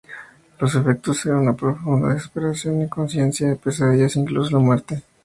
Los efectos eran: una profunda desesperación, inconsciencia, pesadillas e incluso la muerte.